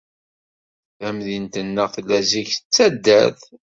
Tamdint-nneɣ tella zik d taddart.